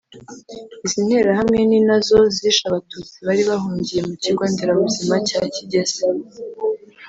Izi nterahamwe ni nazo zishe Abatutsi bari bahungiye mu Kigo Nderabuzima cya Kigese